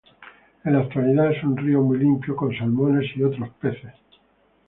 En la actualidad es un río muy limpio, con salmones y otros peces.